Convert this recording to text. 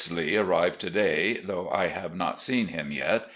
Lee arrived to day, though I have not seen him yet.